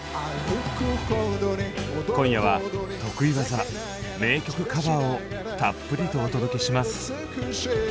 今夜は得意技名曲カバーをたっぷりとお届けします。